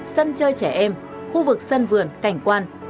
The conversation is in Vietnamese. sân chơi trẻ em khu vực sân vườn cảnh quan